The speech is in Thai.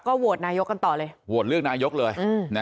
โหวตนายกกันต่อเลยโหวตเลือกนายกเลย